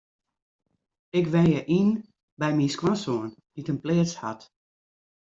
Ik wenje yn by my skoansoan dy't in pleats hat.